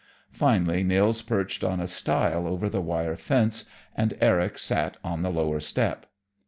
Finally Nils perched on a stile over the wire fence, and Eric sat on the lower step.